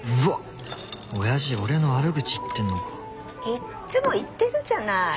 いっつも言ってるじゃない。